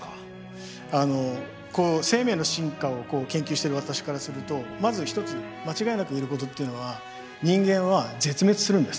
あの生命の進化を研究してる私からするとまず一つ間違いなく言えることっていうのは人間は絶滅するんです。